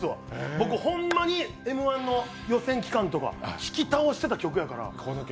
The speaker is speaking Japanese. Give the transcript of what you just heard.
僕、ホンマに「Ｍ−１」の予選期間とか聴き倒してた曲やから。